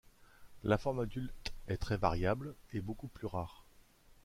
La forme adulte est très variable et beaucoup plus rare.